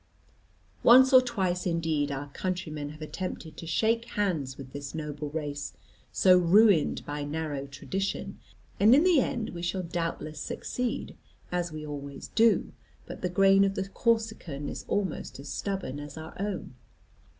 Once or twice indeed our countrymen have attempted to shake hands with this noble race, so ruined by narrow tradition; and in the end we shall doubtless succeed, as we always do; but the grain of the Corsican is almost as stubborn as our own.